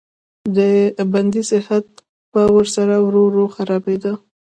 د بندي صحت به ورسره ورو ورو خرابېده.